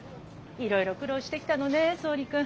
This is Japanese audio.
いろいろ苦労してきたのね総理君。